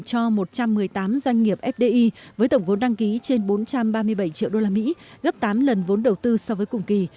cho một trăm một mươi tám doanh nghiệp fdi với tổng vốn đăng ký trên bốn trăm ba mươi bảy triệu usd gấp tám lần vốn đầu tư so với cùng kỳ